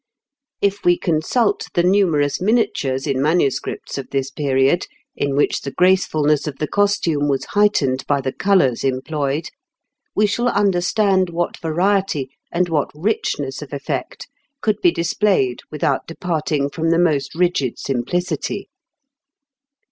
If we consult the numerous miniatures in manuscripts of this period, in which the gracefulness of the costume was heightened by the colours employed, we shall understand what variety and what richness of effect could be displayed without departing from the most rigid simplicity.